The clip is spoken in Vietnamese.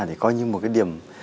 thì coi như một cái điểm